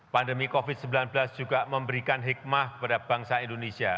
pandemi covid sembilan belas juga memberikan hikmah kepada bangsa indonesia